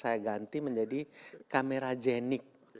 saya ganti menjadi cameragenic